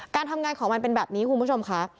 การทำงานของมันเป็นแบบนี้คุณผู้ชมค่ะ